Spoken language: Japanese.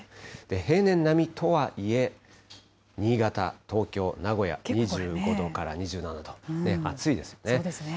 平年並みとはいえ、新潟、東京、名古屋、２５度から２７度、けっこう暑いですよね。